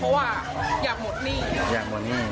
เพราะอยากหมดหนี้